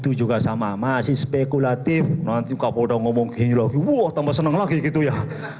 itu juga sama masih spekulatif nanti kapoldo ngomong gini lagi wah tambah senang lagi gitu ya